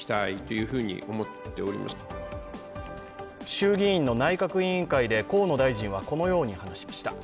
衆議院の内閣委員会で河野大臣はこのように話しました。